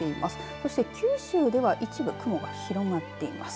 そして九州では一部雲が広がっています。